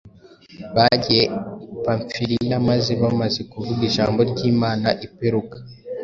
bagiye i Pamfiliya, maze “bamaze kuvuga ijambo ry’Imana i Peruga,